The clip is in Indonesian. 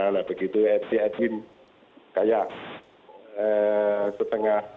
nah begitu edwin kayak setengah